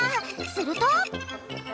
すると。